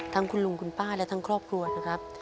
ทั้งคุณลุงคุณป้าและทั้งครอบครัวนะครับ